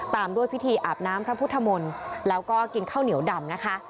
ตามด้วยพิธีอาบน้ำพระพุทธมนตร์แล้วก็กินข้าวเหนียวดำนะคะ